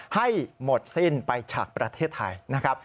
ให้หมดสิ้นไปจากประเทศไทยนะครับ